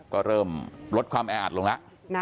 ก็เริ่มลดความแออัดลงแล้ว